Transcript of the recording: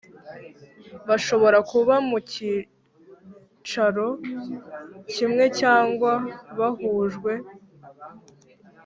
Bashobora kuba mu cyicaro kimwe cyangwa bahujwe